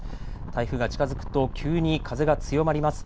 台風が近づくと急に風が強まります。